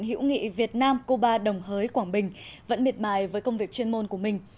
hữu nghị việt nam cuba đồng hới quảng bình vẫn miệt mài với công việc chuyên môn của mình